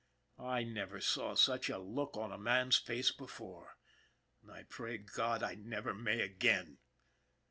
I never saw such a look on a man's face before, and I pray God I never may again.